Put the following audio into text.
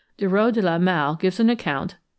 Dureau de la Malle gives an account (17.